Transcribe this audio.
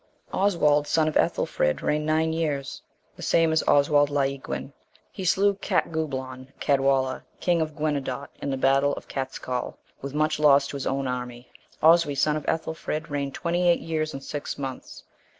Oswald son of Ethelfrid, reigned nine years; the same is Oswald Llauiguin;(1) he slew Catgublaun (Cadwalla),(2) king of Guenedot,(3) in the battle of Catscaul,(4) with much loss to his own army. Oswy, son of Ethelfrid, reigned twenty eight years and six months.